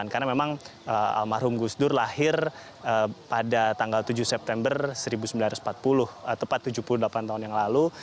karena memang almarhum gus dur lahir pada tanggal tujuh september seribu sembilan ratus empat puluh tepat tujuh puluh delapan tahun yang lalu